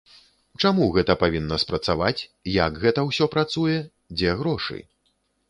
Чаму гэта павінна спрацаваць, як гэта ўсё працуе, дзе грошы?